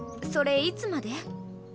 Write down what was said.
それいつまで？